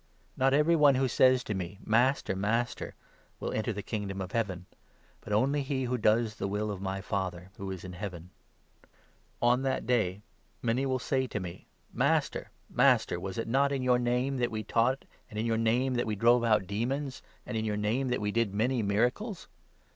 Not every one who says to me ' Master ! Master !' will enter the Kingdom of Heaven, but only he who does the will of my Father who is in Heaven. On ' That Day ' many will say to me ' Master, Master, was not it in your name that we taught, and in your name that we drove out demons, and in your name that we did many miracles